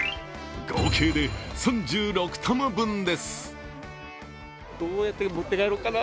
合計で３６玉分です。